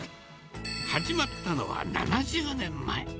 始まったのは７０年前。